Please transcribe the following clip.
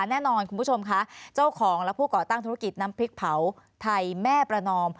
แน่นอนคุณผู้ชมคะเจ้าของและผู้ก่อตั้งธุรกิจน้ำพริกเผาไทยแม่ประนอม